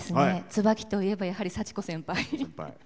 椿といえばやはり幸子先輩。